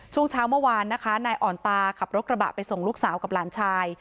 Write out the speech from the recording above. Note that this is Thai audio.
ช่วงเช้าเมื่อวานนะคะนายอ่อนตาขับรถกระบะไปส่งลูกสาวกับหลานชาย